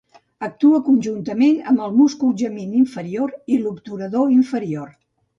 Actua conjuntament amb el múscul gemin inferior i l'obturador inferior.